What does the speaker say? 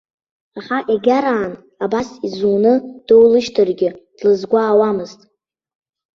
Аха егьараан абас изуны доулышьҭыргьы, длызгәаауамызт.